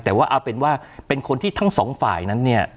แต่ว่าเอาเป็นว่าเป็นคนที่ทั้งสองฝ่ายนั้นเนี่ย